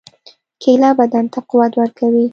کېله بدن ته قوت ورکوي.